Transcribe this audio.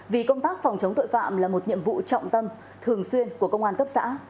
vì công tác phòng chống tội phạm là một nhiệm vụ trọng tâm thường xuyên của công an cấp xã